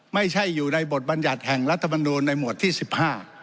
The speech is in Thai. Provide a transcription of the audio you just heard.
ไม่ใช่อยู่ในบทบัญญัติแห่งรัฐมนูลในหมวดที่สิบห้า